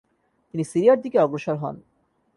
তিনি সিরিয়ার দিকে অগ্রসর হন।